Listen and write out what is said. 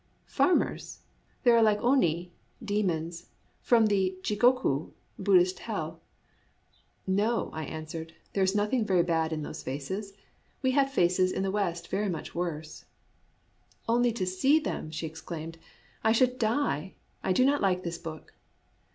"Farmers! They are like Oni [demons] from the jig oku [Buddhist hell]." " No," I answered, " there is nothing very bad in those faces. We have faces in the West very much worse." "Only to see them," she exclaimed, "I should die ! I do not like this book."